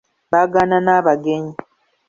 Bagaana n'abagenyi